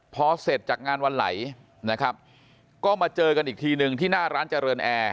พอเสร็จจากงานวันไหลนะครับก็มาเจอกันอีกทีหนึ่งที่หน้าร้านเจริญแอร์